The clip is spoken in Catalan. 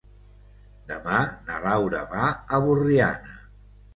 Demà na Laura va a Borriana.